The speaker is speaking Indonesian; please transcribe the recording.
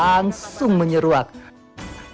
tak hanya karena dipercaya tapi juga karena dipercaya